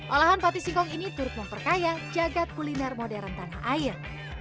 olahan pati singkong ini turut memperkaya jagad kuliner modern tanah air